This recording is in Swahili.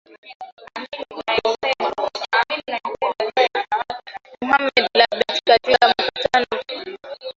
Mohamed Lebatt katika mkutano wa pamoja na waandishi wa habari mjini Khartoum